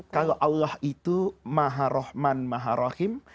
kalau allah itu maharohman maharohim